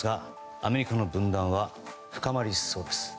アメリカの分断は深まりそうです。